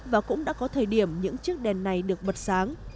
và cũng đã có thời điểm những chiếc đèn này được bật sáng